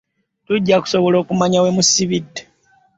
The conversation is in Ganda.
Tujja kusobola okumanya we musibidde.